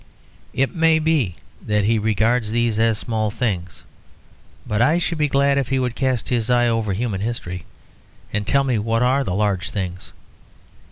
It may be that he regards these as small things; but I should be glad if he would cast his eye over human history, and tell me what are the large things.